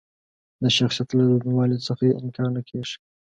د شخصیت له دروندوالي څخه یې انکار نه کېږي.